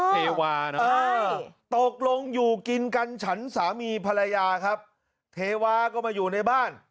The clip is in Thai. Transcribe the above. เทวานะตกลงอยู่กินกันฉันสามีภรรยาครับเทวาก็มาอยู่ในบ้าน